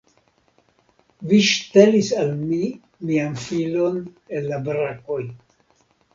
Vi ŝtelis al mi mian filon el la brakoj.